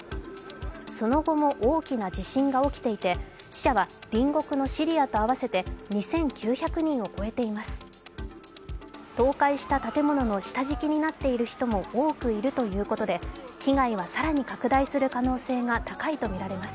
その後も大きな地震が起きていて死者は、隣国のシリアと合わせて２９００人を超えています。